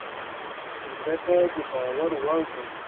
مځکه د باور وړ ده.